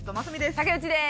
竹内です。